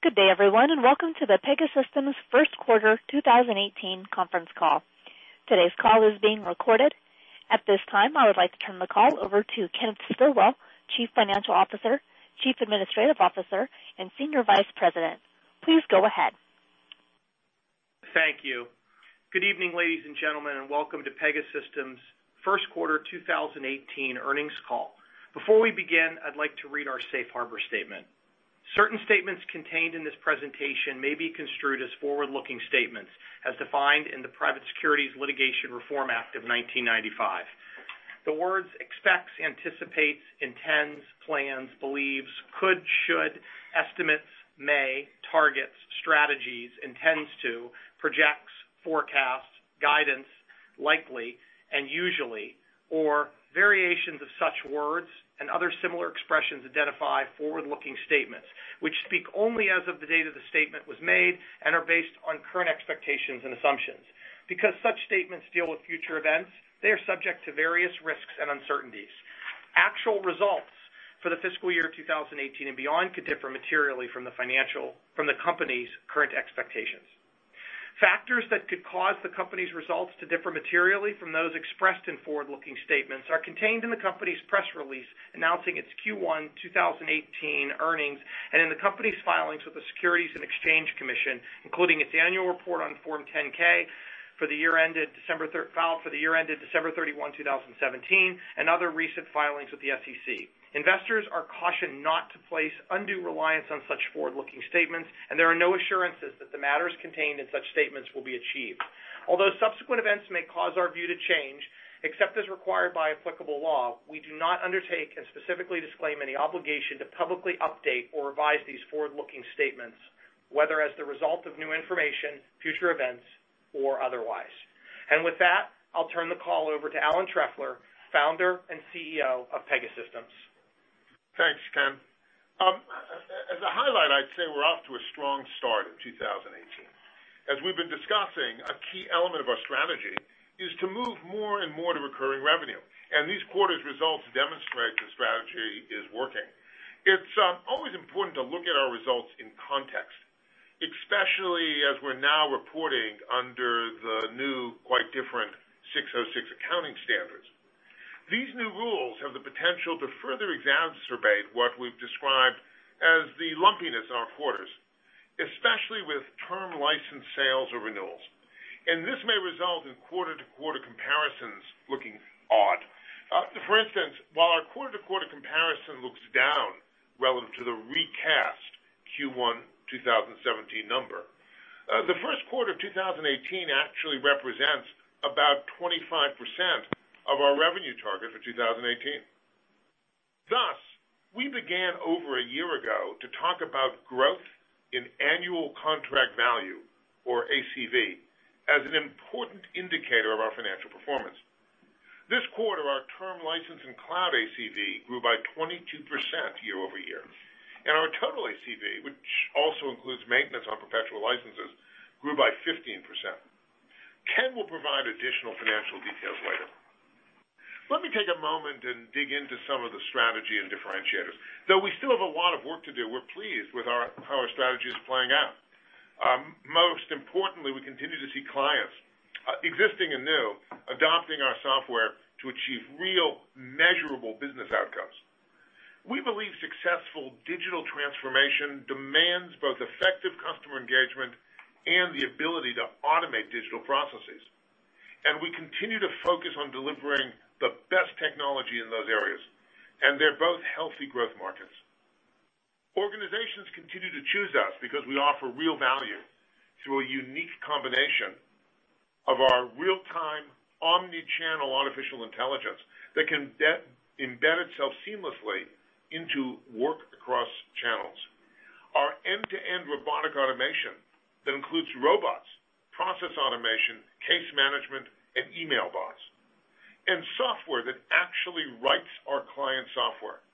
Good day, everyone, and welcome to the Pegasystems first quarter 2018 conference call. Today's call is being recorded. At this time, I would like to turn the call over to Kenneth Stillwell, Chief Financial Officer, Chief Administrative Officer, and Senior Vice President. Please go ahead. Thank you. Good evening, ladies and gentlemen, welcome to Pegasystems first quarter 2018 earnings call. Before we begin, I'd like to read our safe harbor statement. Certain statements contained in this presentation may be construed as forward-looking statements as defined in the Private Securities Litigation Reform Act of 1995. The words expects, anticipates, intends, plans, believes, could, should, estimates, may, targets, strategies, intends to, projects, forecasts, guidance, likely, and usually, or variations of such words and other similar expressions identify forward-looking statements, which speak only as of the date of the statement was made and are based on current expectations and assumptions. Because such statements deal with future events, they are subject to various risks and uncertainties. Actual results for the fiscal year 2018 and beyond could differ materially from the company's current expectations. Factors that could cause the company's results to differ materially from those expressed in forward-looking statements are contained in the company's press release announcing its Q1 2018 earnings and in the company's filings with the Securities and Exchange Commission, including its annual report on Form 10-K filed for the year ended December 31, 2017, and other recent filings with the SEC. Investors are cautioned not to place undue reliance on such forward-looking statements. There are no assurances that the matters contained in such statements will be achieved. Although subsequent events may cause our view to change, except as required by applicable law, we do not undertake and specifically disclaim any obligation to publicly update or revise these forward-looking statements, whether as the result of new information, future events, or otherwise. With that, I'll turn the call over to Alan Trefler, Founder and CEO of Pegasystems. Thanks, Ken. As a highlight, I'd say we're off to a strong start in 2018. As we've been discussing, a key element of our strategy is to move more and more to recurring revenue. This quarter's results demonstrate the strategy is working. It's always important to look at our results in context, especially as we're now reporting under the new, quite different 606 accounting standards. These new rules have the potential to further exacerbate what we've described as the lumpiness in our quarters, especially with term license sales or renewals. This may result in quarter-to-quarter comparisons looking odd. For instance, while our quarter-to-quarter comparison looks down relative to the recast Q1 2017 number, the first quarter of 2018 actually represents about 25% of our revenue target for 2018. Thus, we began over a year ago to talk about growth in annual contract value, or ACV, as an important indicator of our financial performance. This quarter, our term license and cloud ACV grew by 22% year-over-year, and our total ACV, which also includes maintenance on perpetual licenses, grew by 15%. Ken will provide additional financial details later. Let me take a moment and dig into some of the strategy and differentiators. Though we still have a lot of work to do, we're pleased with how our strategy is playing out. Most importantly, we continue to see clients, existing and new, adopting our software to achieve real, measurable business outcomes. We believe successful digital transformation demands both effective customer engagement and the ability to automate digital processes. We continue to focus on delivering the best technology in those areas, and they're both healthy growth markets. Organizations continue to choose us because we offer real value through a unique combination of our real-time, omni-channel artificial intelligence that can embed itself seamlessly into work across channels. Our end-to-end robotic automation that includes robots, process automation, case management, and email bots, and software that actually writes our client software,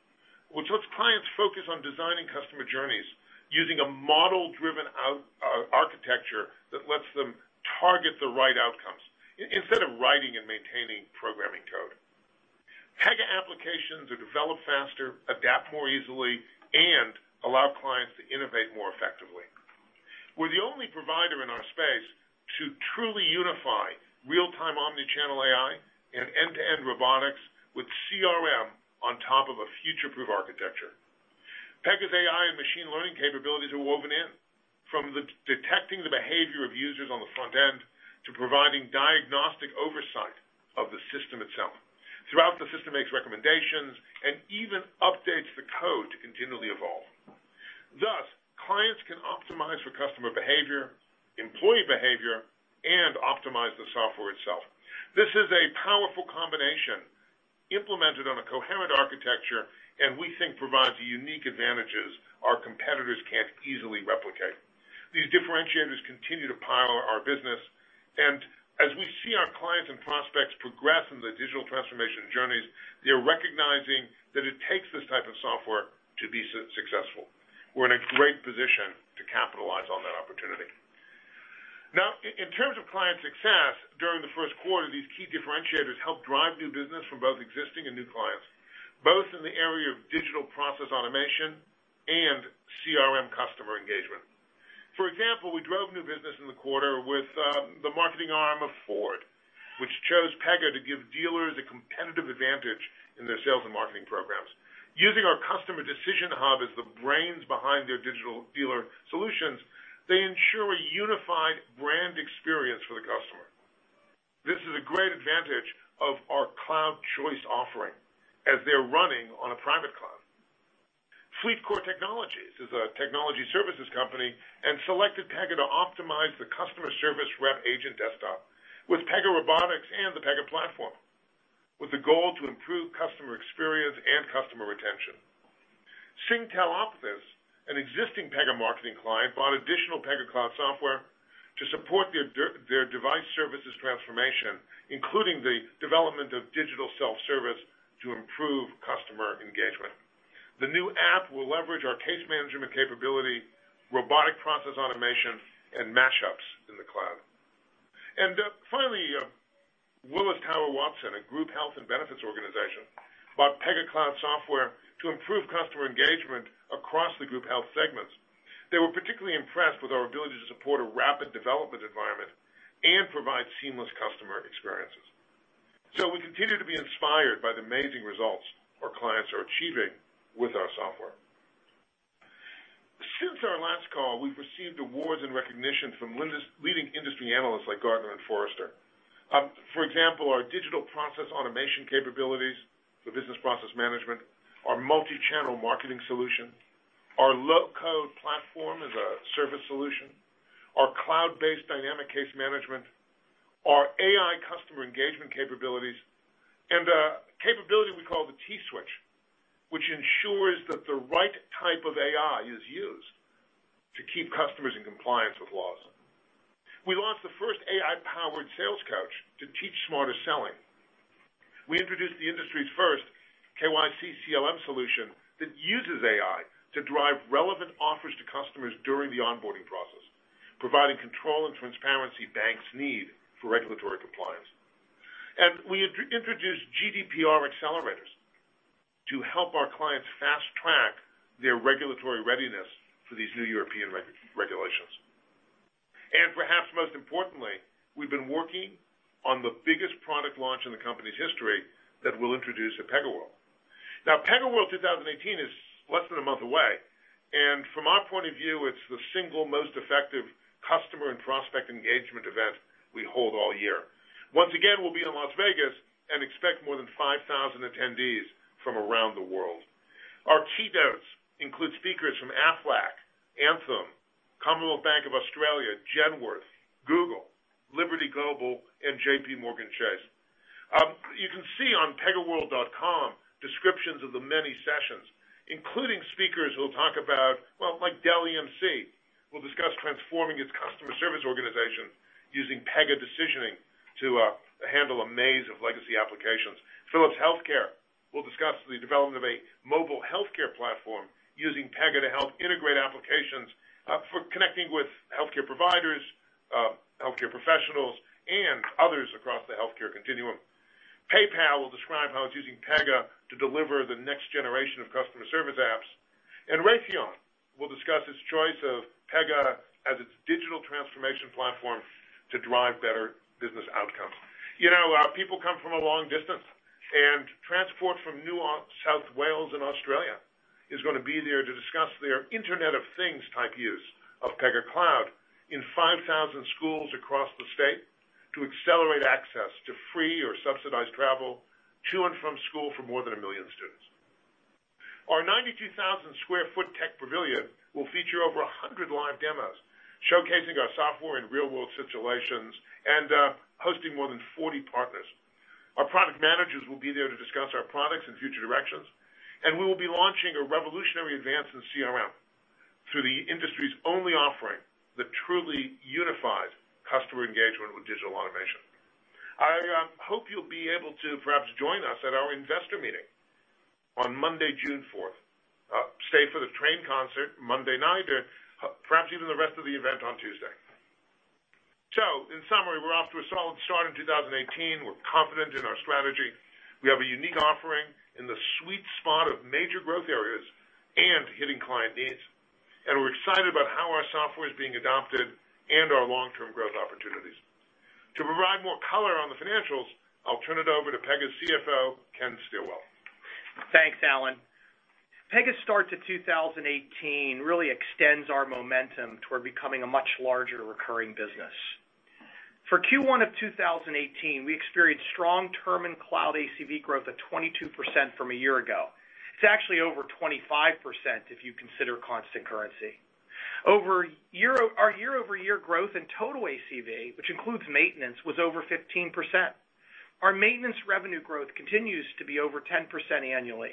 which lets clients focus on designing customer journeys using a model-driven architecture that lets them target the right outcomes instead of writing and maintaining programming code. Pega applications are developed faster, adapt more easily, and allow clients to innovate more effectively. We're the only provider in our space to truly unify real-time omni-channel AI and end-to-end robotics with CRM on top of a future-proof architecture. Pega's AI and machine learning capabilities are woven in, from detecting the behavior of users on the front end to providing diagnostic oversight of the system itself. Throughout, the system makes recommendations and even updates the code to continually evolve. Thus, clients can optimize for customer behavior, employee behavior, and optimize the software itself. This is a powerful combination implemented on a coherent architecture and we think provides unique advantages our competitors can't easily replicate. These differentiators continue to power our business, and as we see our clients and prospects progress in their digital transformation journeys, they're recognizing that it takes this type of software to be successful. We're in a great position to capitalize on that opportunity. In terms of client success during the first quarter, these key differentiators helped drive new business from both existing and new clients, both in the area of digital process automation and CRM customer engagement. For example, we drove new business in the quarter with the marketing arm of Ford, which chose Pega to give dealers a competitive advantage in their sales and marketing programs. Using our Customer Decision Hub as the brains behind their digital dealer solutions, they ensure a unified brand experience for the customer. This is a great advantage of our cloud choice offering, as they're running on a private cloud. FleetCor Technologies is a technology services company and selected Pega to optimize the customer service rep agent desktop with Pega Robotics and the Pega Platform, with the goal to improve customer experience and customer retention. Singtel Optus, an existing Pega marketing client, bought additional Pega Cloud software to support their device services transformation, including the development of digital self-service to improve customer engagement. The new app will leverage our case management capability, robotic process automation, and mashups in the cloud. Finally, Willis Towers Watson, a group health and benefits organization, bought Pega Cloud software to improve customer engagement across the group health segments. They were particularly impressed with our ability to support a rapid development environment and provide seamless customer experiences. We continue to be inspired by the amazing results our clients are achieving with our software. Since our last call, we've received awards and recognition from leading industry analysts like Gartner and Forrester. For example, our digital process automation capabilities for business process management, our multi-channel marketing solution, our low-code platform as a service solution, our cloud-based dynamic case management, our AI customer engagement capabilities, and a capability we call the T-Switch, which ensures that the right type of AI is used to keep customers in compliance with laws. We launched the first AI-powered sales coach to teach smarter selling. We introduced the industry's first KYC CLM solution that uses AI to drive relevant offers to customers during the onboarding process, providing control and transparency banks need for regulatory compliance. We introduced GDPR accelerators to help our clients fast-track their regulatory readiness for these new European regulations. Perhaps most importantly, we've been working on the biggest product launch in the company's history that we'll introduce at PegaWorld. PegaWorld 2018 is less than a month away, and from our point of view, it's the single most effective customer and prospect engagement event we hold all year. Once again, we'll be in Las Vegas and expect more than 5,000 attendees from around the world. Our keynotes include speakers from Aflac, Anthem, Commonwealth Bank of Australia, Genworth, Google, Liberty Global, and JPMorgan Chase. You can see on pegaworld.com descriptions of the many sessions, including speakers who will talk about, well, like Dell EMC will discuss transforming its customer service organization using Pega decisioning to handle a maze of legacy applications. Philips Healthcare will discuss the development of a mobile healthcare platform using Pega to help integrate applications for connecting with healthcare providers, healthcare professionals, and others across the healthcare continuum. PayPal will describe how it's using Pega to deliver the next generation of customer service apps. Raytheon will discuss its choice of Pega as its digital transformation platform to drive better business outcomes. People come from a long distance, Transport for New South Wales in Australia is going to be there to discuss their Internet of Things type use of Pega Cloud in 5,000 schools across the state to accelerate access to free or subsidized travel to and from school for more than 1 million students. Our 92,000-square-foot tech pavilion will feature over 100 live demos, showcasing our software in real-world situations and hosting more than 40 partners. Our product managers will be there to discuss our products and future directions, We will be launching a revolutionary advance in CRM through the industry's only offering that truly unifies customer engagement with digital automation. I hope you'll be able to perhaps join us at our investor meeting on Monday, June 4th. Stay for the Train concert Monday night or perhaps even the rest of the event on Tuesday. In summary, we're off to a solid start in 2018. We're confident in our strategy. We have a unique offering in the sweet spot of major growth areas and hitting client needs. We're excited about how our software is being adopted and our long-term growth opportunities. To provide more color on the financials, I'll turn it over to Pega's CFO, Ken Stillwell. Thanks, Alan. Pega's start to 2018 really extends our momentum toward becoming a much larger recurring business. For Q1 of 2018, we experienced strong term and cloud ACV growth of 22% from a year ago. It's actually over 25% if you consider constant currency. Our year-over-year growth in total ACV, which includes maintenance, was over 15%. Our maintenance revenue growth continues to be over 10% annually,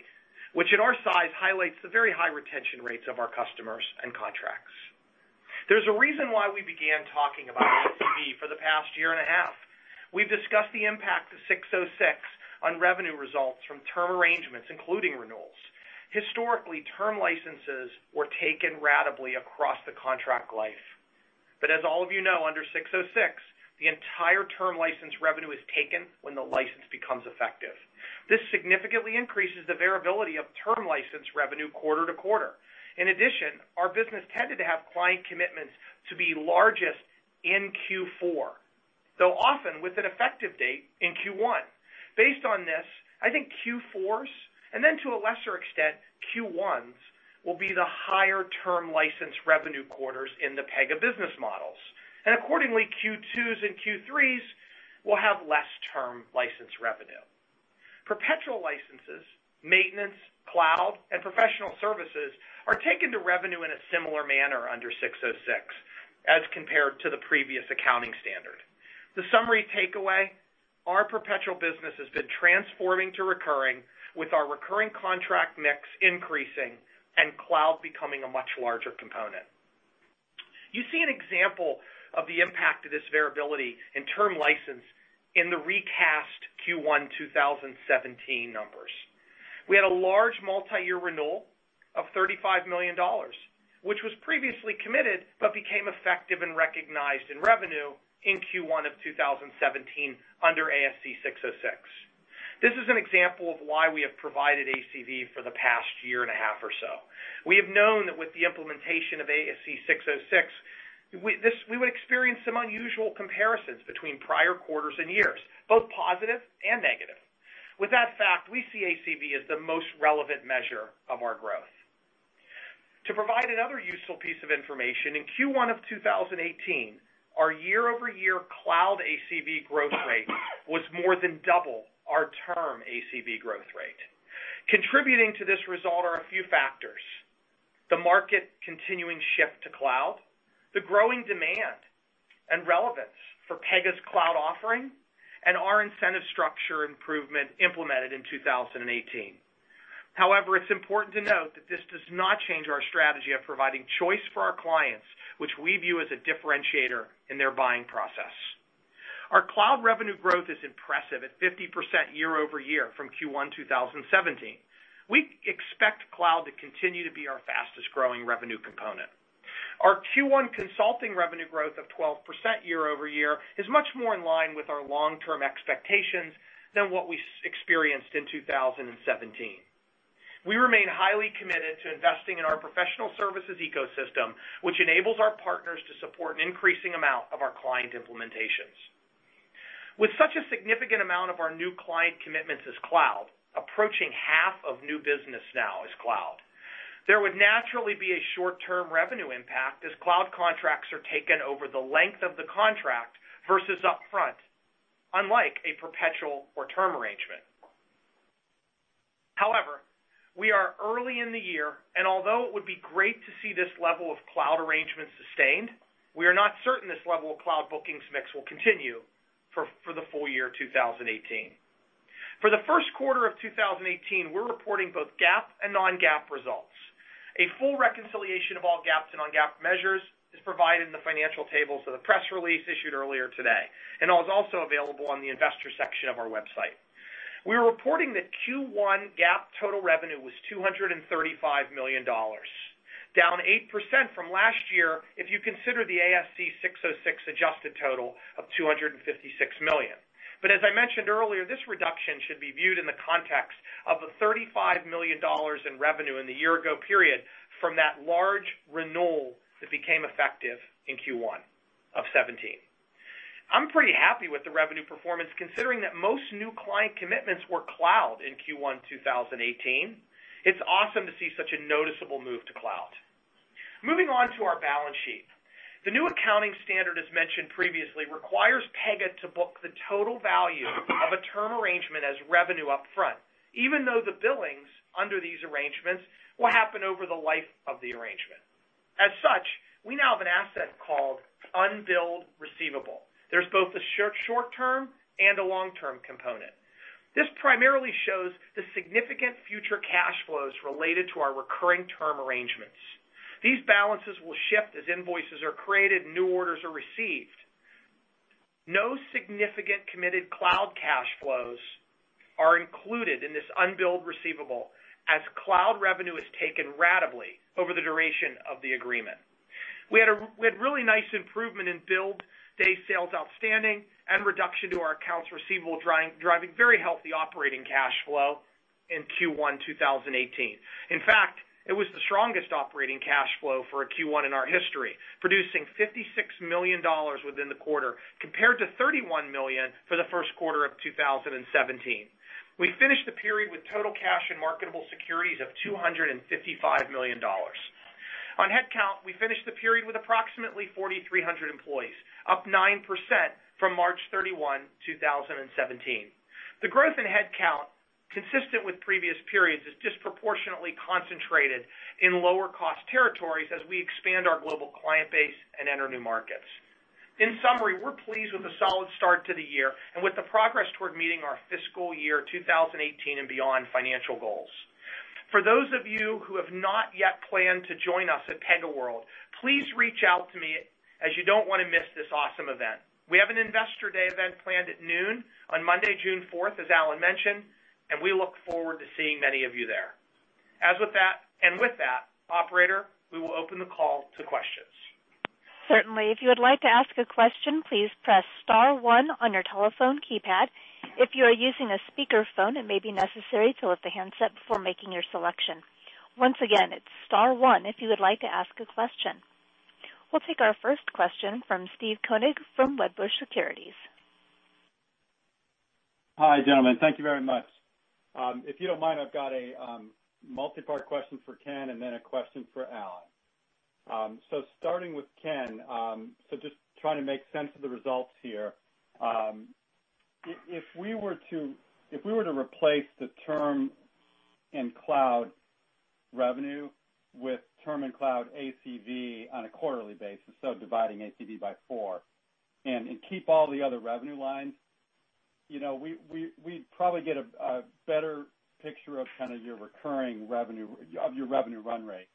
which at our size highlights the very high retention rates of our customers and contracts. There's a reason why we began talking about ACV for the past year and a half. We've discussed the impact of 606 on revenue results from term arrangements, including renewals. Historically, term licenses were taken ratably across the contract life. As all of you know, under 606, the entire term license revenue is taken when the license becomes effective. This significantly increases the variability of term license revenue quarter-to-quarter. In addition, our business tended to have client commitments to be largest in Q4, though often with an effective date in Q1. Based on this, I think Q4s, then to a lesser extent, Q1s, will be the higher term license revenue quarters in the Pega business models. Accordingly, Q2s and Q3s will have less term license revenue. Perpetual licenses, maintenance, cloud, and professional services are taken to revenue in a similar manner under 606 as compared to the previous accounting standard. The summary takeaway, our perpetual business has been transforming to recurring with our recurring contract mix increasing and cloud becoming a much larger component. You see an example of the impact of this variability in term license in the recast Q1 2017 numbers. We had a large multi-year renewal of $35 million, which was previously committed but became effective and recognized in revenue in Q1 of 2017 under ASC 606. This is an example of why we have provided ACV for the past year and a half or so. We have known that with the implementation of ASC 606, we would experience some unusual comparisons between prior quarters and years, both positive and negative. With that fact, we see ACV as the most relevant measure of our growth. To provide another useful piece of information, in Q1 of 2018, our year-over-year cloud ACV growth rate was more than double our term ACV growth rate. Contributing to this result are a few factors, the market continuing shift to cloud, the growing demand and relevance for Pega's cloud offering, and our incentive structure improvement implemented in 2018. It's important to note that this does not change our strategy of providing choice for our clients, which we view as a differentiator in their buying process. Our cloud revenue growth is impressive at 50% year-over-year from Q1 2017. We expect cloud to continue to be our fastest-growing revenue component. Our Q1 consulting revenue growth of 12% year-over-year is much more in line with our long-term expectations than what we experienced in 2017. We remain highly committed to investing in our professional services ecosystem, which enables our partners to support an increasing amount of our client implementations. With such a significant amount of our new client commitments as cloud, approaching half of new business now is cloud. There would naturally be a short-term revenue impact as cloud contracts are taken over the length of the contract versus upfront, unlike a perpetual or term arrangement. We are early in the year, and although it would be great to see this level of cloud arrangements sustained, we are not certain this level of cloud bookings mix will continue for the full year 2018. For the first quarter of 2018, we're reporting both GAAP and non-GAAP results. A full reconciliation of all GAAP and non-GAAP measures is provided in the financial tables of the press release issued earlier today and is also available on the investor section of our website. We're reporting that Q1 GAAP total revenue was $235 million, down 8% from last year if you consider the ASC 606 adjusted total of $256 million. As I mentioned earlier, this reduction should be viewed in the context of the $35 million in revenue in the year ago period from that large renewal that became effective in Q1 of 2017. I'm pretty happy with the revenue performance considering that most new client commitments were cloud in Q1 2018. It's awesome to see such a noticeable move to cloud. Moving on to our balance sheet. The new accounting standard, as mentioned previously, requires Pega to book the total value of a term arrangement as revenue up front, even though the billings under these arrangements will happen over the life of the arrangement. As such, we now have an asset called unbilled receivable. There's both a short-term and a long-term component. This primarily shows the significant future cash flows related to our recurring term arrangements. These balances will shift as invoices are created and new orders are received. No significant committed cloud cash flows are included in this unbilled receivable as cloud revenue is taken ratably over the duration of the agreement. We had really nice improvement in billed day sales outstanding and reduction to our accounts receivable, driving very healthy operating cash flow in Q1 2018. In fact, it was the strongest operating cash flow for a Q1 in our history, producing $56 million within the quarter, compared to $31 million for the first quarter of 2017. We finished the period with total cash and marketable securities of $255 million. On headcount, we finished the period with approximately 4,300 employees, up 9% from March 31, 2017. The growth in headcount, consistent with previous periods, is disproportionately concentrated in lower cost territories as we expand our global client base and enter new markets. In summary, we're pleased with the solid start to the year and with the progress toward meeting our fiscal year 2018 and beyond financial goals. For those of you who have not yet planned to join us at PegaWorld, please reach out to me as you don't want to miss this awesome event. We have an Investor Day event planned at noon on Monday, June 4th, as Alan mentioned, we look forward to seeing many of you there. With that, operator, we will open the call to questions. Certainly. If you would like to ask a question, please press star one on your telephone keypad. If you are using a speakerphone, it may be necessary to lift the handset before making your selection. Once again, it's star one if you would like to ask a question. We will take our first question from Steve Koenig from Wedbush Securities. Hi, gentlemen. Thank you very much. If you don't mind, I have got a multi-part question for Ken and then a question for Alan. Starting with Ken, just trying to make sense of the results here. If we were to replace the term in cloud revenue with term in cloud ACV on a quarterly basis, dividing ACV by 4 and keep all the other revenue lines, we would probably get a better picture of your recurring revenue run rate.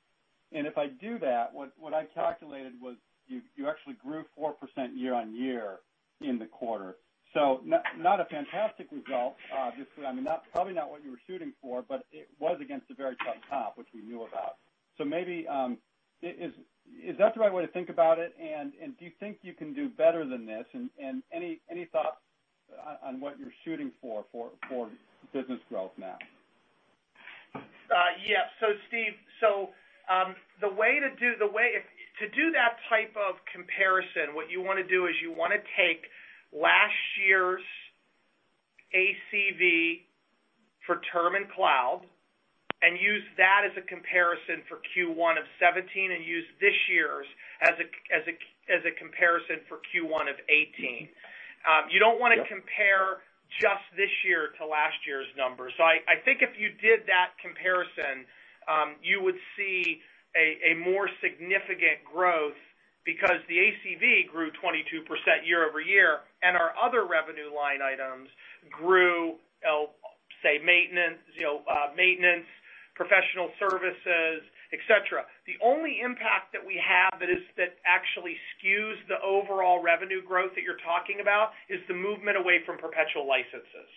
If I do that, what I calculated was you actually grew 4% year-over-year in the quarter. Not a fantastic result, obviously. Probably not what you were shooting for, but it was against a very tough top, which we knew about. Maybe, is that the right way to think about it? Do you think you can do better than this? Any thoughts on what you are shooting for business growth now? Yeah. Steve, to do that type of comparison, what you want to do is take last year's ACV for term and cloud and use that as a comparison for Q1 2017 and use this year's as a comparison for Q1 2018. You don't want to compare just this year to last year's numbers. I think if you did that comparison, you would see a more significant growth because the ACV grew 22% year-over-year, and our other revenue line items grew, say, maintenance, professional services, et cetera. The only impact that we have that actually skews the overall revenue growth that you're talking about is the movement away from perpetual licenses.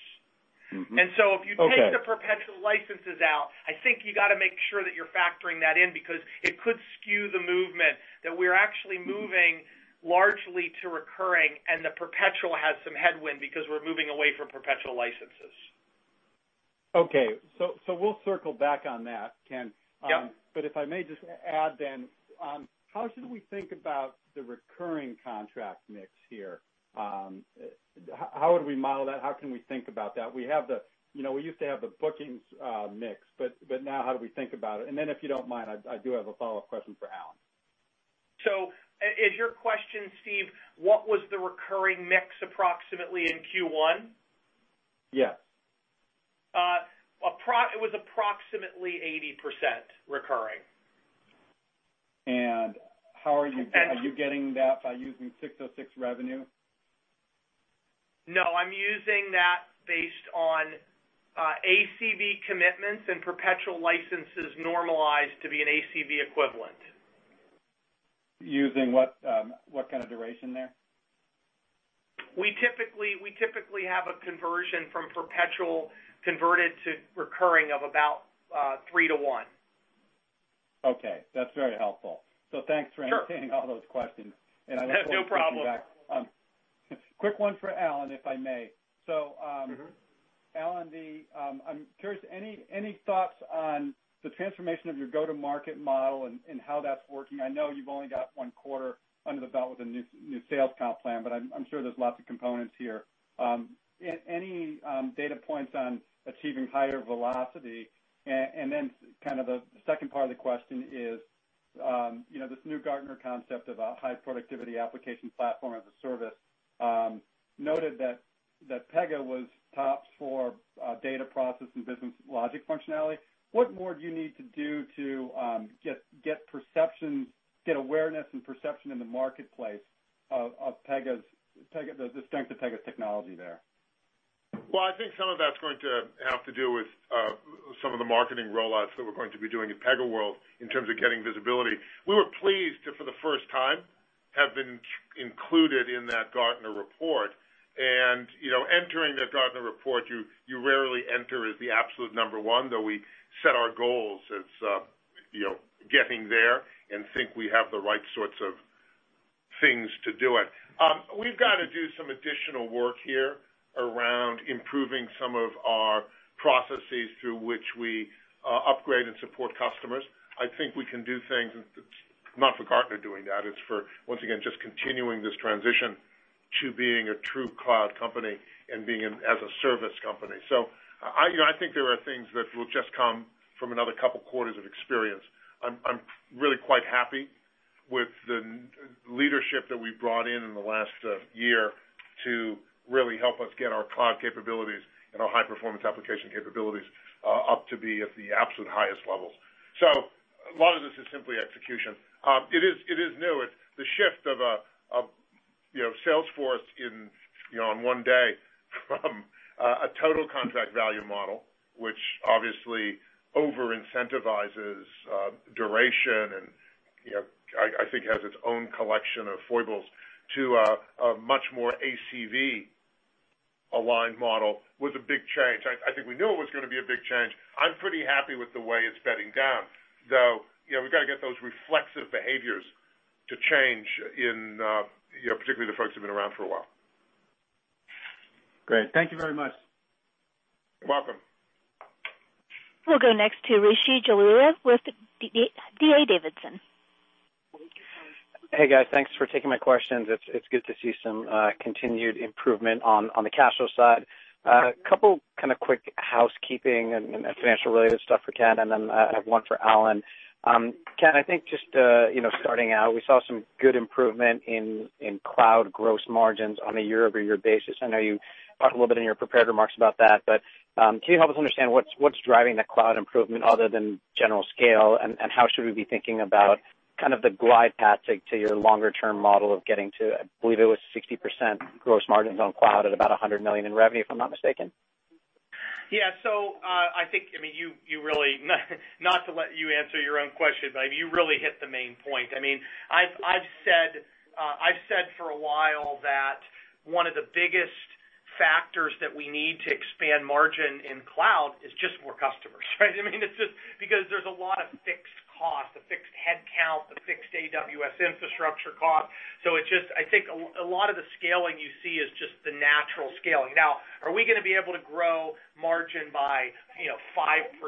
Okay. If you take the perpetual licenses out, I think you got to make sure that you're factoring that in because it could skew the movement that we're actually moving largely to recurring, and the perpetual has some headwind because we're moving away from perpetual licenses. Okay. We'll circle back on that, Ken. Yep. If I may just add then, how should we think about the recurring contract mix here? How would we model that? How can we think about that? We used to have the bookings mix, but now how do we think about it? Then, if you don't mind, I do have a follow-up question for Alan. Is your question, Steve, what was the recurring mix approximately in Q1? Yes. It was approximately 80% recurring. Are you getting that by using 606 revenue? No, I'm using that based on ACV commitments and perpetual licenses normalized to be an ACV equivalent. Using what kind of duration there? We typically have a conversion from perpetual converted to recurring of about 3 to 1. Okay. That's very helpful. Thanks for- Sure entertaining all those questions, I look forward to- No problem circling back. Quick one for Alan, if I may. Alan, I'm curious, any thoughts on the transformation of your go-to-market model and how that's working? I know you've only got one quarter under the belt with a new sales comp plan, but I'm sure there's lots of components here. Any data points on achieving higher velocity? Then the second part of the question is, this new Gartner concept of a high-productivity application platform as a service noted that Pega was tops for data process and business logic functionality. What more do you need to do to get awareness and perception in the marketplace of the strength of Pega's technology there? I think some of that's going to have to do with some of the marketing rollouts that we're going to be doing at PegaWorld in terms of getting visibility. We were pleased to, for the first time, have been included in that Gartner report. Entering that Gartner report, you rarely enter as the absolute number one, though we set our goals as getting there and think we have the right sorts of things to do it. We've got to do some additional work here around improving some of our processes through which we upgrade and support customers. I think we can do things, it's not for Gartner doing that, it's for, once again, just continuing this transition to being a true cloud company and being as a service company. I think there are things that will just come from another couple of quarters of experience. I'm really quite happy with the leadership that we've brought in in the last year to really help us get our cloud capabilities and our high-performance application capabilities up to be at the absolute highest levels. A lot of this is simply execution. It is new. The shift of a Salesforce in one day from a total contract value model, which obviously over-incentivizes duration and, I think has its own collection of foibles, to a much more ACV-aligned model, was a big change. I think we knew it was going to be a big change. I'm pretty happy with the way it's bedding down, though we've got to get those reflexive behaviors to change in, particularly the folks who've been around for a while. Great. Thank you very much. You're welcome. We'll go next to Rishi Jaluria with D.A. Davidson. Hey, guys. Thanks for taking my questions. It is good to see some continued improvement on the cash flow side. A couple kind of quick housekeeping and financial-related stuff for Ken, and then I have one for Alan. Ken, I think just starting out, we saw some good improvement in cloud gross margins on a year-over-year basis. I know you talked a little bit in your prepared remarks about that, but can you help us understand what is driving the cloud improvement other than general scale, and how should we be thinking about the glide path to your longer-term model of getting to, I believe it was 60% gross margins on cloud at about $100 million in revenue, if I am not mistaken? Yeah. I think, not to let you answer your own question, you really hit the main point. I have said for a while that one of the biggest factors that we need to expand margin in cloud is just more customers, right? There is a lot of fixed costs, the fixed head count, the fixed AWS infrastructure cost. I think a lot of the scaling you see is just the natural scaling. Now, are we going to be able to grow margin by 5%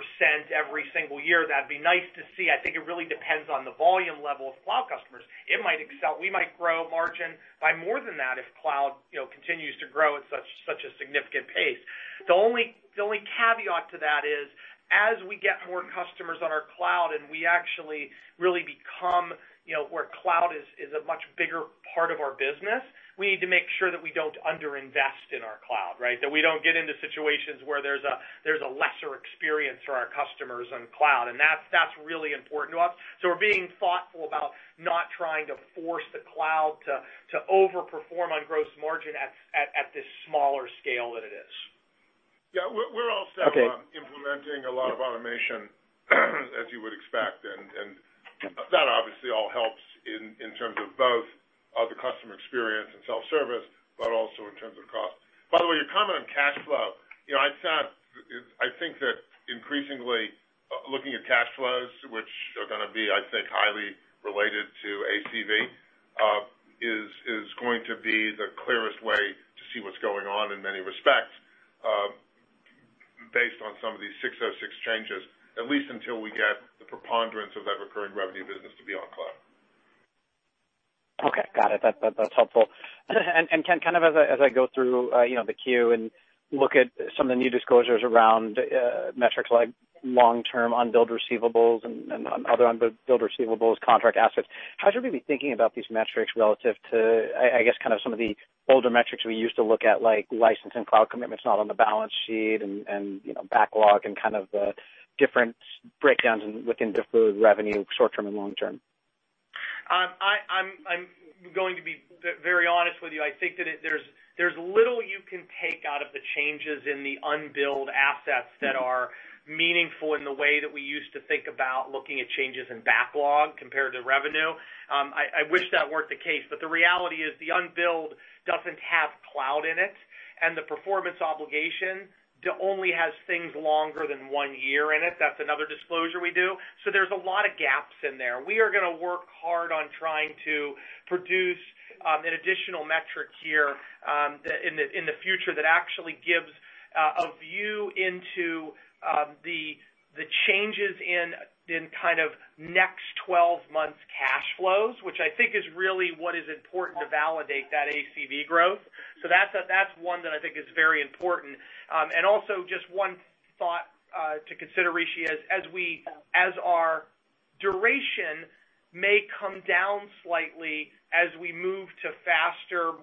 every single year? That would be nice to see. I think it really depends on the volume level of cloud customers. It might excel. We might grow margin by more than that if cloud continues to grow at such a significant pace. The only caveat to that is, as we get more customers on our cloud, and we actually really become where cloud is a much bigger part of our business, we need to make sure that we do not under-invest in our cloud, right? That we do not get into situations where there is a lesser experience for our customers on cloud, and that is really important to us. We are being thoughtful about not trying to force the cloud to over-perform on gross margin at this smaller scale that it is. Yeah. Okay on implementing a lot of automation, as you would expect, and that obviously all helps in terms of both the customer experience and self-service, but also in terms of cost. By the way, your comment on cash flow, I think that increasingly, looking at cash flows, which are going to be, I think, highly related to ACV, is going to be the clearest way to see what's going on in many respects, based on some of these 606 changes, at least until we get the preponderance of that recurring revenue business to be on cloud. Okay. Got it. That's helpful. Ken, as I go through the Q and look at some of the new disclosures around metrics like long-term unbilled receivables and other unbilled receivables, contract assets, how should we be thinking about these metrics relative to, I guess some of the older metrics we used to look at, like license and cloud commitments not on the balance sheet and backlog and the different breakdowns within deferred revenue, short-term and long-term? I'm going to be very honest with you. I think that there's little you can take out of the changes in the unbilled assets that are meaningful in the way that we used to think about looking at changes in backlog compared to revenue. I wish that weren't the case, but the reality is the unbilled doesn't have cloud in it, and the performance obligation only has things longer than one year in it. That's another disclosure we do. There's a lot of gaps in there. We are going to work hard on trying to produce an additional metric here in the future that actually gives a view into the changes in next 12 months cash flows, which I think is really what is important to validate that ACV growth. That's one that I think is very important. Also just one thought to consider, Rishi, as our duration may come down slightly as we move to faster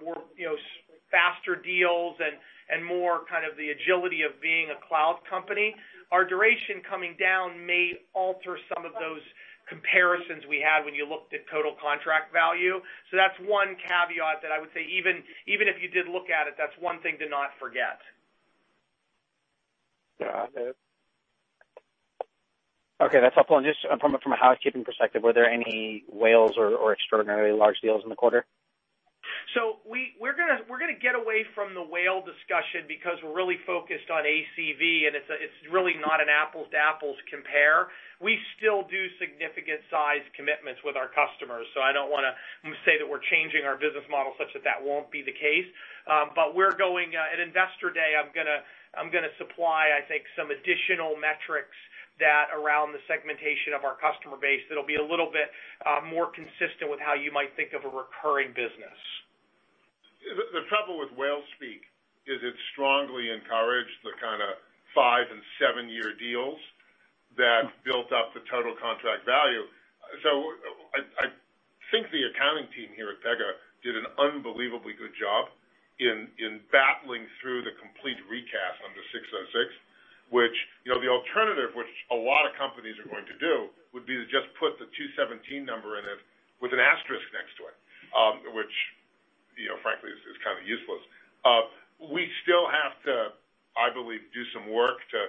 deals and more the agility of being a cloud company, our duration coming down may alter some of those comparisons we had when you looked at total contract value. That's one caveat that I would say, even if you did look at it, that's one thing to not forget. Got it. Okay. That's helpful. Just from a housekeeping perspective, were there any whales or extraordinarily large deals in the quarter? We're going to get away from the whale discussion because we're really focused on ACV, and it's really not an apples to apples compare. We still do significant size commitments with our customers, so I don't want to say that we're changing our business model such that that won't be the case. At Investor Day, I'm going to supply, I think, some additional metrics around the segmentation of our customer base that'll be a little bit more consistent with how you might think of a recurring business. The trouble with whale speak is it strongly encouraged the kind of five- and seven-year deals that built up the total contract value. I think the accounting team here at Pega did an unbelievably good job in battling through the complete recast under 606, which the alternative, which a lot of companies are going to do, would be to just put the 217 number in it with an asterisk next to it. Which, frankly, is kind of useless. We still have to, I believe, do some work to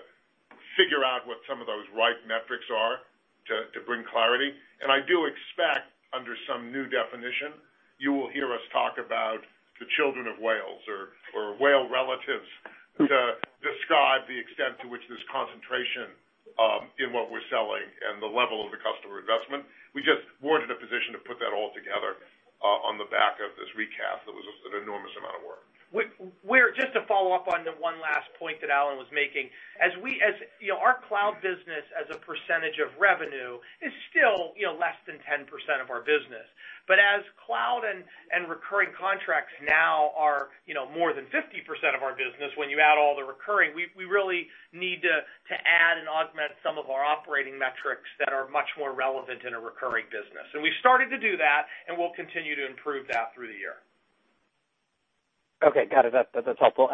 figure what some of those right metrics are to bring clarity. I do expect, under some new definition, you will hear us talk about the children of whales or whale relatives to describe the extent to which this concentration in what we're selling and the level of the customer investment. We just weren't in a position to put that all together on the back of this recast that was just an enormous amount of work. Just to follow up on the one last point that Alan was making. Our cloud business as a percentage of revenue is still less than 10% of our business. As cloud and recurring contracts now are more than 50% of our business, when you add all the recurring, we really need to add and augment some of our operating metrics that are much more relevant in a recurring business. We've started to do that, and we'll continue to improve that through the year. Okay. Got it. That's helpful.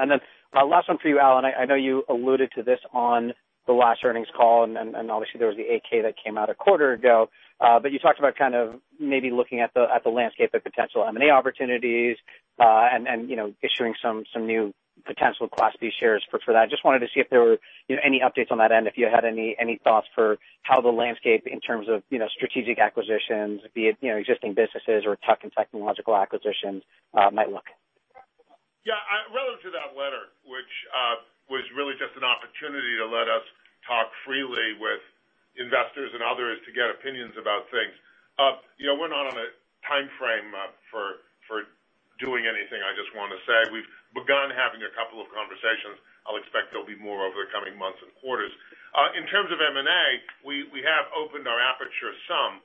Last one for you, Alan. I know you alluded to this on the last earnings call, and obviously there was the 8-K that came out a quarter ago. You talked about kind of maybe looking at the landscape of potential M&A opportunities, and issuing some new potential Class B shares for that. Just wanted to see if there were any updates on that and if you had any thoughts for how the landscape, in terms of strategic acquisitions, be it existing businesses or tuck-in technological acquisitions, might look. Yeah. Relative to that letter, which was really just an opportunity to let us talk freely with investors and others to get opinions about things. We're not on a timeframe for doing anything, I just want to say. We've begun having a couple of conversations. I'll expect there'll be more over the coming months and quarters. In terms of M&A, we have opened our aperture some,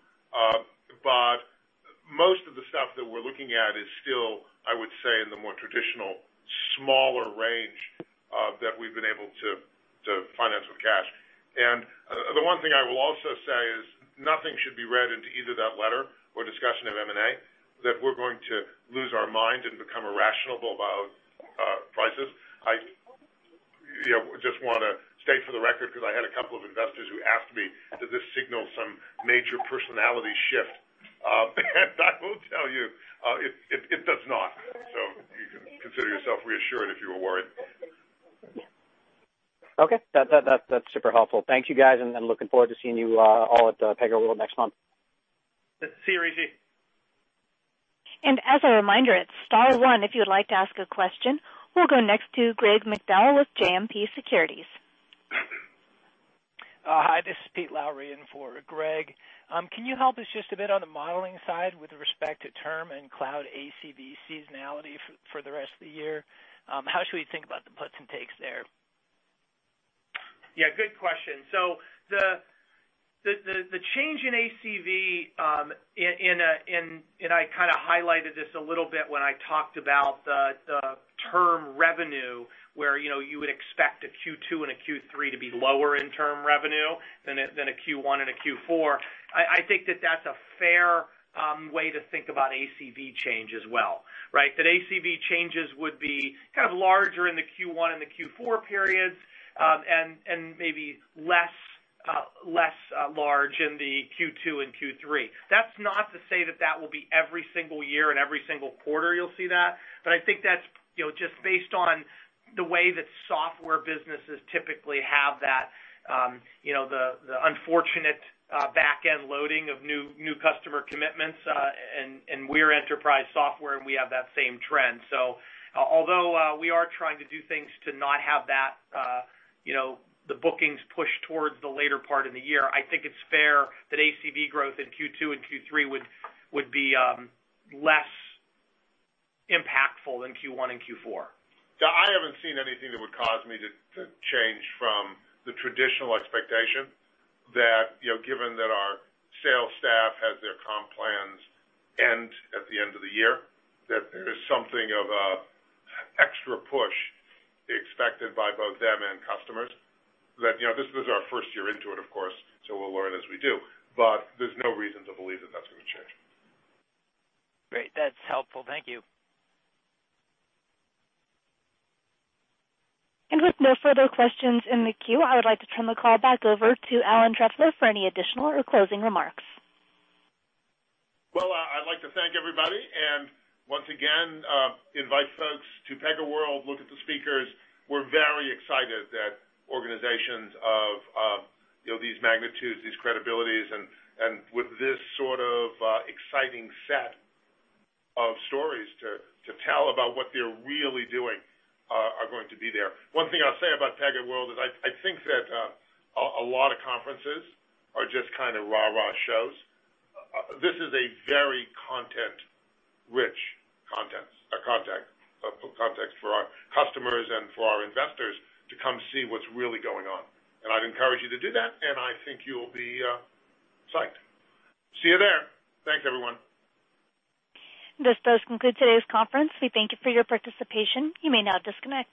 but most of the stuff that we're looking at is still, I would say, in the more traditional, smaller range that we've been able to finance with cash. The one thing I will also say is nothing should be read into either that letter or discussion of M&A that we're going to lose our mind and become irrational about prices. I just want to state for the record, because I had a couple of investors who asked me, "Does this signal some major personality shift?" I will tell you, it does not. You can consider yourself reassured if you were worried. Okay. That's super helpful. Thank you, guys. Looking forward to seeing you all at PegaWorld next month. See you, Rishi. As a reminder, it's star one if you would like to ask a question. We'll go next to Greg McDowell with JMP Securities. Hi, this is Pete Lowry in for Greg. Can you help us just a bit on the modeling side with respect to term and cloud ACV seasonality for the rest of the year? How should we think about the puts and takes there? Yeah, good question. The change in ACV, and I kind of highlighted this a little bit when I talked about the term revenue, where you would expect a Q2 and a Q3 to be lower in term revenue than a Q1 and a Q4. I think that that's a fair way to think about ACV change as well, right? ACV changes would be kind of larger in the Q1 and the Q4 periods, and maybe less large in the Q2 and Q3. That's not to say that that will be every single year and every single quarter you'll see that, but I think that's just based on the way that software businesses typically have the unfortunate backend loading of new customer commitments. We're enterprise software, and we have that same trend. Although we are trying to do things to not have the bookings pushed towards the later part in the year, I think it's fair that ACV growth in Q2 and Q3 would be less impactful than Q1 and Q4. Yeah, I haven't seen anything that would cause me to change from the traditional expectation that, given that our sales staff has their comp plans end at the end of the year, that there is something of an extra push expected by both them and customers. This is our first year into it, of course, so we'll learn as we do. There's no reason to believe that that's going to change. Great. That's helpful. Thank you. With no further questions in the queue, I would like to turn the call back over to Alan Trefler for any additional or closing remarks. Well, I'd like to thank everybody, and once again, invite folks to PegaWorld, look at the speakers. We're very excited that organizations of these magnitudes, these credibilities, and with this sort of exciting set of stories to tell about what they're really doing are going to be there. One thing I'll say about PegaWorld is I think that a lot of conferences are just kind of rah-rah shows. This is a very content-rich context for our customers and for our investors to come see what's really going on. I'd encourage you to do that, and I think you'll be psyched. See you there. Thanks, everyone. This does conclude today's conference. We thank you for your participation. You may now disconnect.